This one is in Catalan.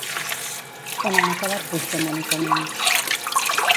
On han acabat Puigdemont i Comín?